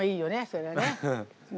そりゃね。